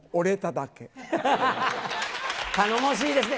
頼もしいですね。